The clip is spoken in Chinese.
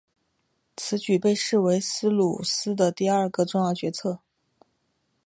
此举被视为斯普鲁恩斯的第二个个重要决策。